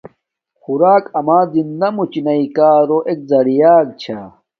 خوراک اما زندہ موچی ناݵ کارو ایک زیعہ چھا